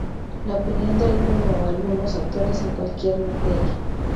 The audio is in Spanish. La opinión de alguno o algunos autores en cualquier materia.